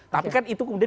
tapi kan itu kemudian